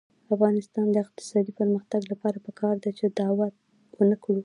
د افغانستان د اقتصادي پرمختګ لپاره پکار ده چې دعوه ونکړو.